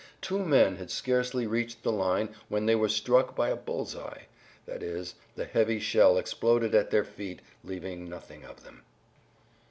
Two men had scarcely reached the line when they were struck by a bull's eye, i. e., the heavy shell exploded at their feet leaving nothing of them.